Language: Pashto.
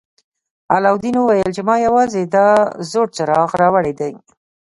علاوالدین وویل چې ما یوازې دا زوړ څراغ راوړی دی.